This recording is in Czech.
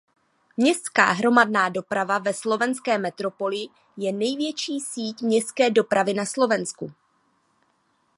Městská hromadná dopravu ve slovenské metropoli je největší síť městské dopravy na Slovensku.